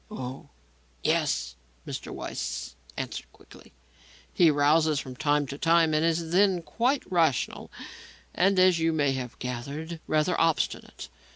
"Oh, yes," Mr. Weiss answered quickly; "he rouses from time to time and is then quite rational, and, as you may have gathered, rather obstinate.